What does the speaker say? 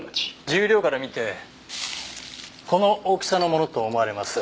重量から見てこの大きさのものと思われます。